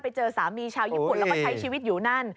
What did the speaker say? ไปเจอสามีชาวญี่ปุ่นแล้วก็ใช้ชีวิตอยู่นั่น